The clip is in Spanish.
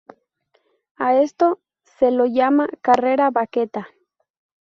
A esto se lo llama "carrera baqueta".